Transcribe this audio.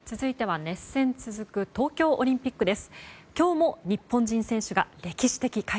続いては熱戦続く東京オリンピックです。